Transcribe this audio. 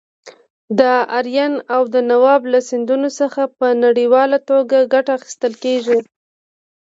د راین او دانوب له سیندونو څخه په نړیواله ټوګه ګټه اخیستل کیږي.